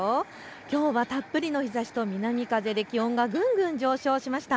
きょうはたっぷりの日ざしと南風で気温がぐんぐん上昇しました。